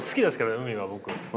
海は僕。